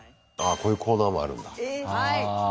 こういうコーナーもあるんだ。